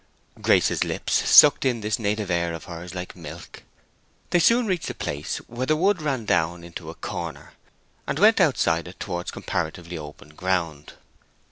Grace's lips sucked in this native air of hers like milk. They soon reached a place where the wood ran down into a corner, and went outside it towards comparatively open ground.